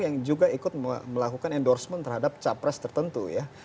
yang juga ikut melakukan endorsement terhadap capres tertentu ya